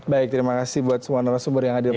baik terima kasih buat semua narasumber yang hadir